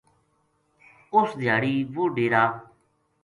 اُس دھیاڑی وہ ڈیرا